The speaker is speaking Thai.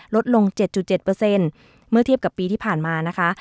ลดลงเจ็ดจุดเจ็ดเปอร์เซ็นต์เมื่อเทียบกับปีที่ผ่านมานะคะ